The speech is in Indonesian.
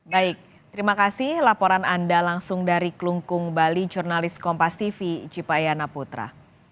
baik terima kasih laporan anda langsung dari kelungkung bali jurnalis kompas tv cipayana putra